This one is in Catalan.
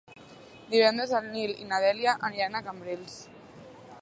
Divendres en Nil i na Dèlia aniran a Cambrils.